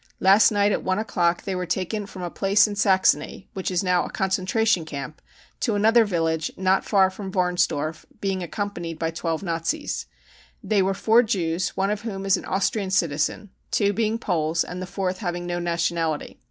Last night, at one o'clock they were taken from a place in Saxony which is now a concentration camp to an other village not far from Warnsdorf, being accompanied by 12 Nazis. They were four Jews, one of whom is an Austrian citizen, two being Poles and the fourth having no nationality.